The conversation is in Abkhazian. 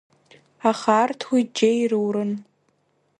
Аха арҭ уи џьеи ирурын.